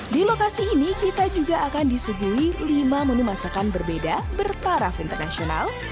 di lokasi ini kita juga akan disuguhi lima menu masakan berbeda bertaraf internasional